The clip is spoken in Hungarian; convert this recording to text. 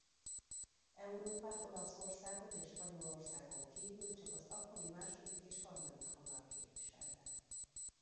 Európát Olaszországon és Spanyolországon kívül csak az akkori második és harmadik vonal képviselte.